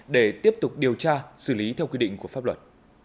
để tiếp tục điều tra xử lý theo quy định của pháp luật